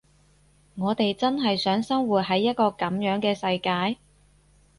我哋真係想生活喺一個噉樣嘅世界？